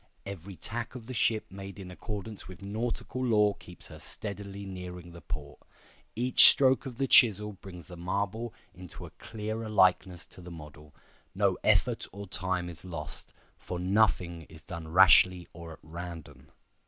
Every tack of the ship made in accordance with nautical law keeps her steadily nearing the port. Each stroke of the chisel brings the marble into a clearer likeness to the model. No effort or time is lost; for nothing is done rashly or at random.